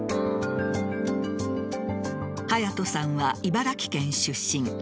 隼都さんは茨城県出身。